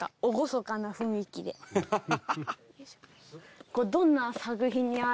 「ハハハハ！」